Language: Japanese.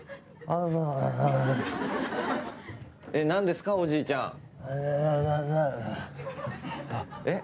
何ですか、おじいちゃん。